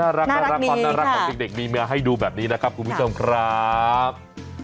น่ารักความน่ารักของเด็กมีเมียให้ดูแบบนี้นะครับคุณผู้ชมครับ